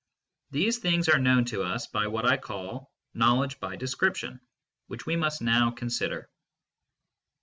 These things are known to us by what I call " knowledge by /^description fl^hich we must now consider.